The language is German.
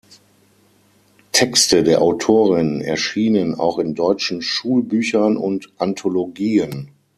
Texte der Autorin erschienen auch in deutschen Schulbüchern und Anthologien.